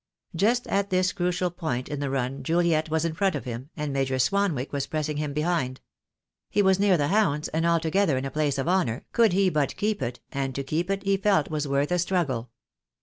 Just at this crucial point in the run Juliet was in front of him, and Major Swan wick was pressing him behind. He was near the hounds, and altogether in a place of honour, could he but keep it, and to keep it he felt was worth a struggle.